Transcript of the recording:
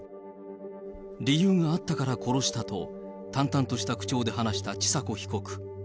理由があったから殺したと、淡々とした口調で話した千佐子被告。